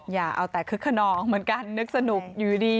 อย่าเอาแต่คึกขนองเหมือนกันนึกสนุกอยู่ดี